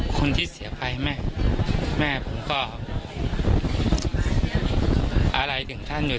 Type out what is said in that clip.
คนที่เสียภัยแม่แม่ผมก็อะไรถึงท่านเลย